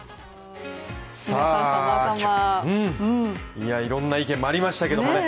いやいろんな意見もありましたけどね。